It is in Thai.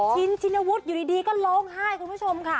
ชินชินวุฒิอยู่ดีก็ร้องไห้คุณผู้ชมค่ะ